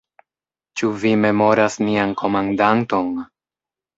Ĉu vi memoras nian komandanton?